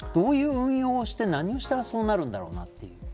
どういう運用をして何をしたらそうなるんだろうなという。